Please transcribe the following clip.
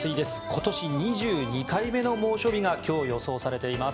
今年２２回目の猛暑日が今日、予想されています。